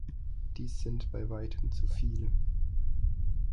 Dies sind bei weitem zu viele.